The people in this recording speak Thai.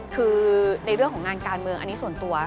คือในเรื่องของงานการเมืองอันนี้ส่วนตัว